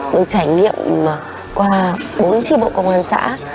được trải nghiệm qua bốn trí bộ công an xã